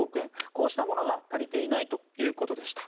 こうしたものが足りていないということでした。